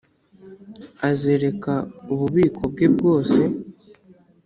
azereka ububiko bwe bwose,